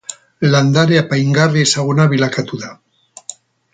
Landare apaingarri ezaguna bilakatu da.